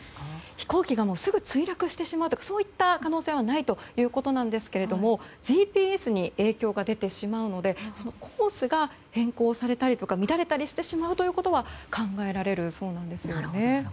飛行機がすぐ墜落してしまうとかそういう可能性はないということですがＧＰＳに影響が出てしまうのでコースが変更されたりとか乱れたりしてしまうことは考えられるそうなんです。